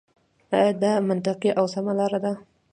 آيـا دا مـنطـقـي او سـمـه لاره ده.